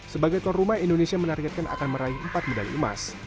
sebagai tuan rumah indonesia menargetkan akan meraih empat medali emas